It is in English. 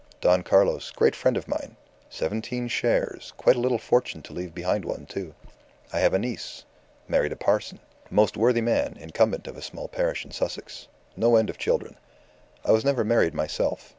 Don Carlos, great friend of mine. Seventeen shares quite a little fortune to leave behind one, too. I have a niece married a parson most worthy man, incumbent of a small parish in Sussex; no end of children. I was never married myself.